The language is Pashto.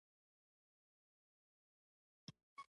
د غلام ملت ژبه، دود او عنعنات له منځه ځي.